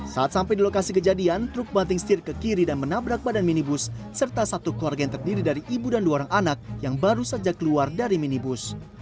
saat sampai di lokasi kejadian truk banting setir ke kiri dan menabrak badan minibus serta satu keluarga yang terdiri dari ibu dan dua orang anak yang baru saja keluar dari minibus